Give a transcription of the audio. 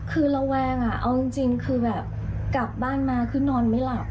คือระแวงเอาจริงคือแบบกลับบ้านมาคือนอนไม่หลับ